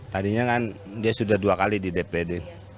tadinya kan dia sudah dua kali di dpd